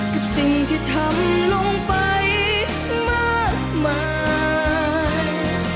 กับสิ่งที่ทำลงไปมากมาย